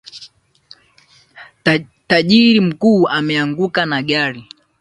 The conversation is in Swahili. Tajiri mkuu ameanguka na gari